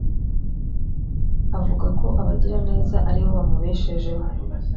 Avuga ko abagiraneza ari bo bamubeshejeho